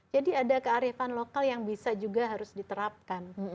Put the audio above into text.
jadi ada kearifan lokal yang bisa juga harus diterapkan